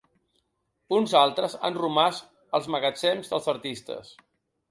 Uns altres, han romàs als magatzems dels artistes.